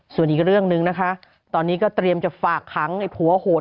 ส่วนอีกเรื่องหนึ่งนะคะตอนนี้ก็เตรียมจะฝากขังไอ้ผัวโหด